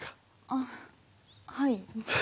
あっはい。